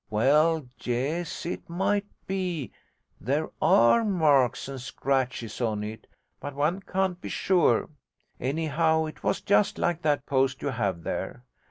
Well, yes, it might be: there are marks and scratches on it but one can't be sure. Anyhow, it was just like that post you have there.